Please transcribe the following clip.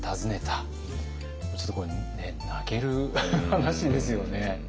ちょっとこれ泣ける話ですよね。